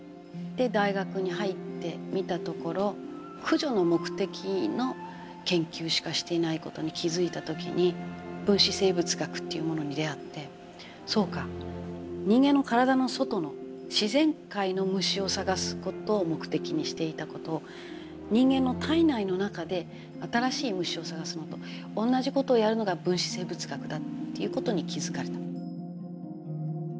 で大学に入ってみたところ駆除の目的の研究しかしていない事に気付いた時に分子生物学というものに出会ってそうか人間の体の外の自然界の虫を探す事を目的にしていた事を人間の体内の中で新しい虫を探すのと同じ事をやるのが分子生物学だっていう事に気付かれた。